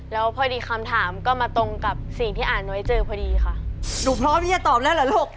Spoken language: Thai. ยืนยันตะแคงยันนอนยันเลยค่ะ